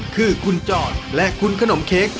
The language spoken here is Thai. คือคุณจรและคุณขนมเค้ก